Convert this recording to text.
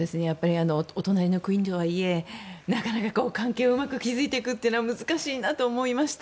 お隣の国とはいえなかなか関係をうまく築くのは難しいなと思いました。